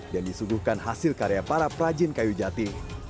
yang disuguhkan hasil karya para perajin kayu jati